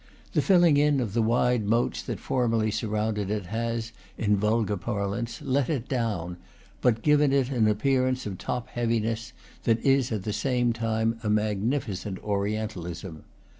The filling in of the wide moats that formerly surrounded it has, in vulgar par lance, let it down, bud given it an appearance of top heaviness that is at the same time a magnificent Orien talism.